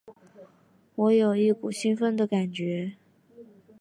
我有一股兴奋的感觉